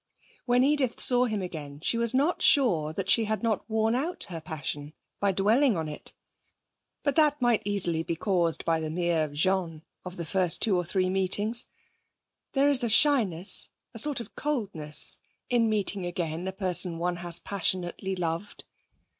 When Edith saw him again she was not sure that she had not worn out her passion by dwelling on it. But that might easily be caused by the mere gêne of the first two or three meetings. There is a shyness, a sort of coldness, in meeting again a person one has passionately loved.